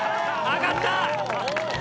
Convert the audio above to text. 上がった！